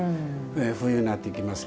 冬になってきます。